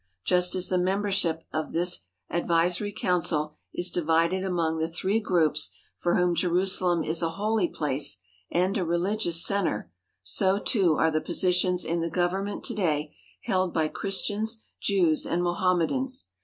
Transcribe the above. Just as the membership of the advisory council is divided among the three groups for whom Jerusalem is a holy place and a religious centre, so, too, are the positions in the government to day held by Chris tians, Jews, and Mohammedans.